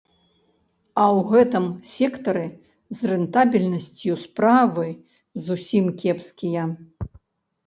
А ў гэтым сектары з рэнтабельнасцю справы зусім кепскія.